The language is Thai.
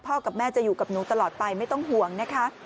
กับแม่จะอยู่กับหนูตลอดไปไม่ต้องห่วงนะคะ